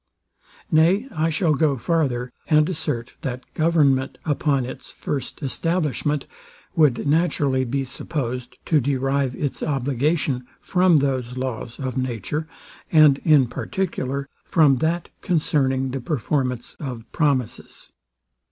Nay, I shall go farther, and assert, that government, upon its first establishment, would naturally be supposed. to derive its obligation from those laws of nature, and, in particular, from that concerning the performance of promises.